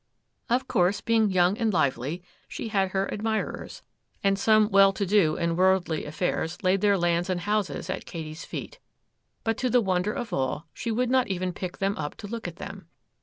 Of course, being young and lively, she had her admirers, and some well to do in worldly affairs laid their lands and houses at Katy's feet; but, to the wonder of all, she would not even pick them up to look at them.